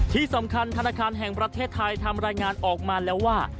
ธนาคารแห่งประเทศไทยทำรายงานออกมาแล้วว่า